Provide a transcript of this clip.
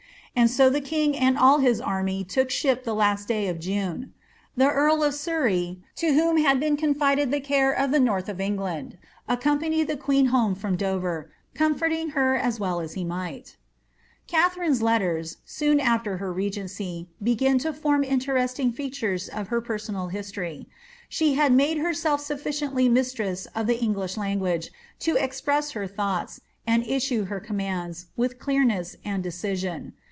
And so ^ and all his anny look ship the last day of June. The earl of lo wham had been coiiHded the care of the north of England, letl the queen home from Dover, comforting her as well as he lettBi», soon after her legency, begin to form interesting of hfT personal historj ; she had mode herself sufficienlly mis ' tli« English language lo express her thoughts, and issue her «U, witli clearness and decision.